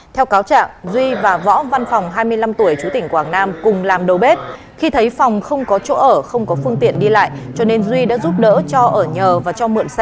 theo cáo trạng duy và võ văn phòng hai mươi năm tuổi chú tỉnh quảng nam cùng làm đầu bếp khi thấy phòng không có chỗ ở không có phương tiện đi lại cho nên duy đã giúp đỡ cho ở nhờ và cho mượn xe